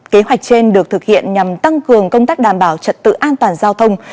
kế hoạch trên được thực hiện nhằm tăng cường công tác đảm bảo trật tự an toàn giao thông